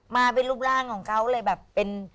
มาเป็นรูปร่างของเขาเลยแบบเป็น